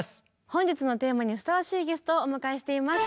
本日のテーマにふさわしいゲストをお迎えしています。